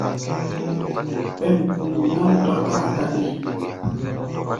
Ɓêm ku̧u̧ náŋ dɔ́ɓáa káɗí.